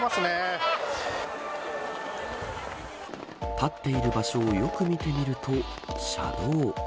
立っている場所をよく見てみると車道。